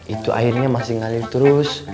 itu airnya masih ngalir terus